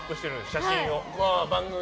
写真を。